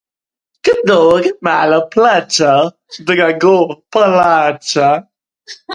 Kdor malo plača, drago plača.